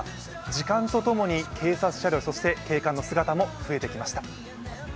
時間とともに警察車両警官の姿も増えてきました。